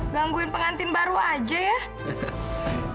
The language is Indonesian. gangguin pengantin baru aja ya